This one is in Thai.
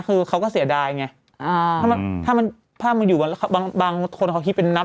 คือเขาก็เสียดายไงถ้ามันภาพมันอยู่บางคนเขาคิดเป็นนับ